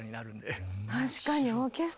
確かにオーケストラに。